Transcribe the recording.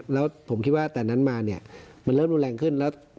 แล้วผมคิดว่าแต่นั้นมาเนี่ยมันเริ่มรุนแรงขึ้นแล้ว